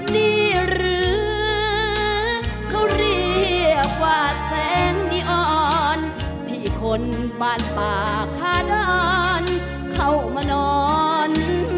นี่หรือเขาเรียกว่าแสงดีอ่อนพี่คนบ้านป่าคาดอนเข้ามานอน